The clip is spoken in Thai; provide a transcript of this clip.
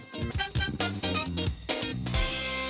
ดีเนี๊ยะ